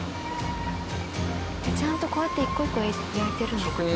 ちゃんとこうやって１個１個焼いてるんだ。